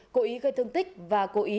cố ý gây thương tích và cố ý gây thương tích